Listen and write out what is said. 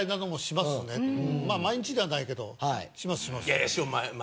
まあ毎日ではないけどしますします。